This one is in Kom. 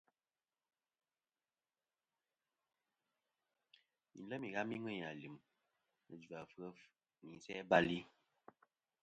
Yi lem ighami ŋweyn alim, jvafef nɨ isæ-bal-i.